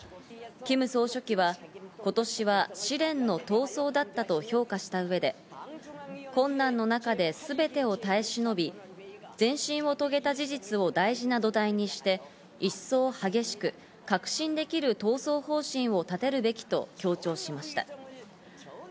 キム総書記は今年は試練の闘争だったと評価した上で困難の中ですべてを耐え忍び、前進を遂げた事実を大事な土台にして、いっそう激しく確信できる闘争方針を立てるべきと強調しました。